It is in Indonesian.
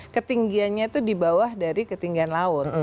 ketinggiannya itu dibawah dari ketinggian laut